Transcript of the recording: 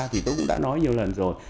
thì tôi cũng đã nói nhiều lần rồi